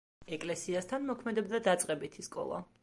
ეკლესიასთან მოქმედებდა დაწყებითი სკოლა.